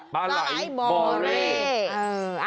บาหลายบอเร่